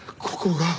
ここが！